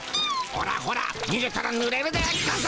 ほらほらにげたらぬれるでゴンス！